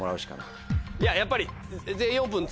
いややっぱり。